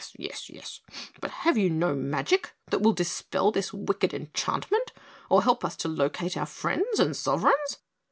"Yes, yes, but have you no magic that will dispel this wicked enchantment or help us to locate our friends and sovereigns?"